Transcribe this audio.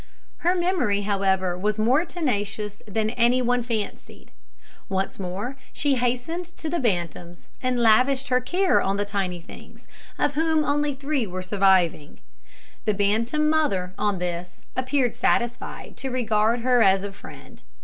Her memory, however, was more tenacious than any one fancied. Once more she hastened to the bantams, and lavished her care on the tiny things, of whom only three were surviving. The bantam mother, on this, appeared satisfied to regard her as a friend.